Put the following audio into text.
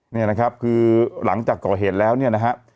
นี่นะครับคือหลังจากก่อเหตุแล้วเนี่ยนะฮะ